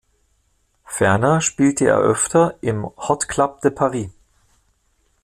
Ferner spielte er öfter im "Hot Club de Paris".